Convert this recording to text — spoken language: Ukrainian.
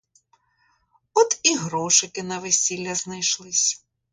От і грошики на весілля знайшлись.